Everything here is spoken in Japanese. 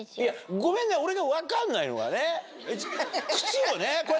ごめんね俺が分かんないのはね。